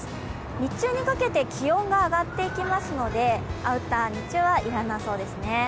日中にかけて気温が上がっていきますので、アウター、日中は要らなそうですね。